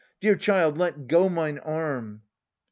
Dear child, let go Mine arm